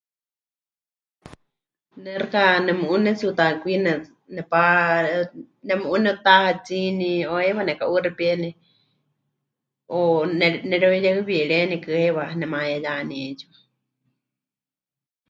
Ne xɨka nemu'ú netsi'utakwine nepa... nemu'ú nepɨtahatsini o heiwa nemɨka'uuxipíeni, o nemɨreuneyehɨwirienikɨ heiwa nemayeyaní 'eetsiwa.